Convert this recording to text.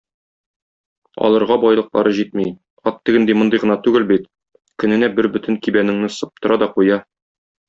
Алырга байлыклары җитми - ат тегенди-мондый гына түгел бит, көненә бер бөтен кибәнеңне сыптыра да куя.